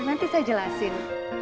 nanti saya jelasin